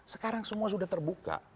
sekarang semua sudah terbuka